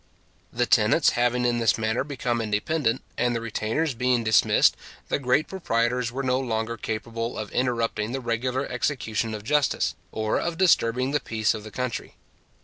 The tenants having in this manner become independent, and the retainers being dismissed, the great proprietors were no longer capable of interrupting the regular execution of justice, or of disturbing the peace of the country.